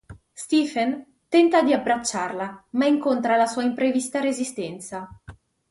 Stephen tenta di abbracciarla, ma incontra la sua imprevista resistenza.